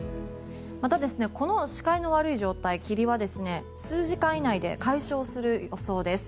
また、この視界の悪い状態、霧は数時間以内で解消する予想です。